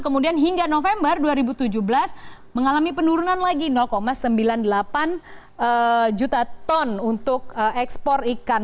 kemudian hingga november dua ribu tujuh belas mengalami penurunan lagi sembilan puluh delapan juta ton untuk ekspor ikan